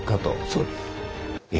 そうです。